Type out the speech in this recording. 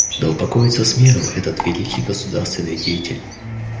Да упокоится с миром этот великий государственный деятель.